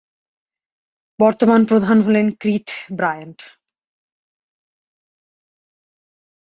বর্তমান প্রধান হলেন কিথ ব্রায়ান্ট।